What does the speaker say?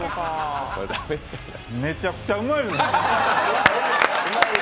めちゃくちゃうまいですね。